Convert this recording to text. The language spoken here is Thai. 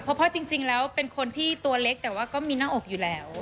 เพราะจริงแล้วเป็นคนที่ตัวเล็กแต่ว่าก็มีหน้าอกอยู่แล้ว